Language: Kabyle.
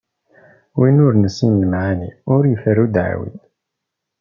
Win ur nessin lemɛani, ur iferru ddɛawi.